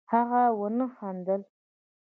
هغه ونه خندل